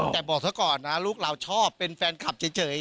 แต่บอกเธอก่อนนะลูกเราชอบเป็นแฟนคลับเฉย